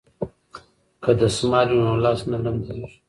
که دستمال وي نو لاس نه لمدیږي.